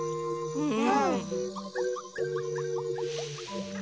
うん。